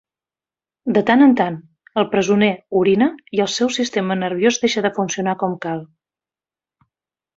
De tant en tant, el presoner orina i el seu sistema nerviós deixa de funcionar com cal.